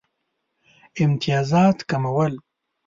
امتیازات کمول.